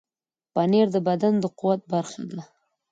پنېر د بدن د قوت برخه ده.